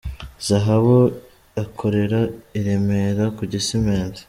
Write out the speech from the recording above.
Zahabu akorera i Remera ku Gisimenti.